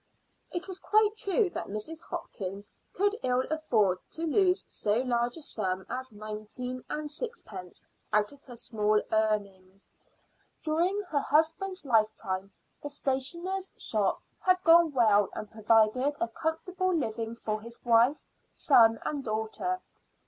It was quite true that Mrs. Hopkins could ill afford to lose so large a sum as nineteen and sixpence out of her small earnings. During her husband's lifetime the stationer's shop had gone well and provided a comfortable living for his wife, son, and daughter.